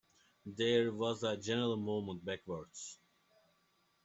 There was a general movement backwards.